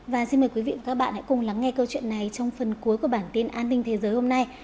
và xin mời quý vị và các bạn hãy cùng lắng nghe câu chuyện này trong phần cuối của bản tin an ninh thế giới hôm nay